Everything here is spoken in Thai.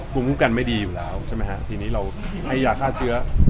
ภูมิคุ้มกันไม่ดีอยู่แล้วใช่ไหมฮะทีนี้เราให้ยาฆ่าเชื้อ